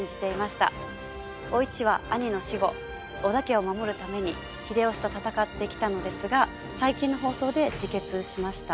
お市は兄の死後織田家を守るために秀吉と戦ってきたのですが最近の放送で自決しました。